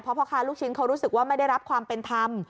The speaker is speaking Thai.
เพราะพ่อค้าลูกชิ้นเขารู้สึกว่าไม่ได้รับความเป็นธรรม